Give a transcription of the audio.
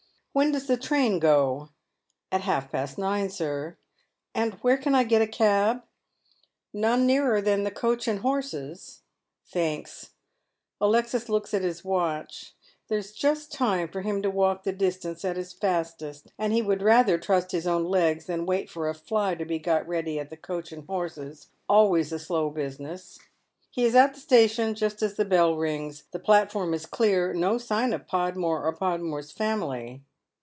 " When does the train go ?"*' At half past nine, sir." "And where can I get a cab ?"" None nearer than the * Coach and Horses.' " Thanks." Alexis looks at his watch. There is just time for him to walk the distance at his fastest, and he would rather trust his own legs than wait for a fly to be got ready at the " Coach and Horses," always a slow business. He is at the station just as the bell rings. The platform is clear, no sign of Podmore or Pod more's family.